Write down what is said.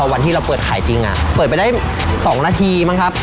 วันที่เราเปิดขายจริงเปิดไปได้๒นาทีมั้งครับ